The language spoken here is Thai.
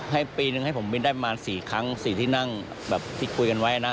ปีนึงให้ผมบินได้ประมาณ๔ครั้ง๔ที่นั่งแบบที่คุยกันไว้นะ